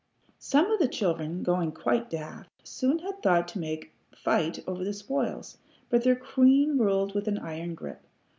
Some of the children, going quite daft, soon had thought to make fight over the spoils, but their queen ruled with an iron grip.